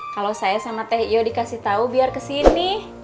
kalau saya sama teh iyo dikasih tahu biar ke sini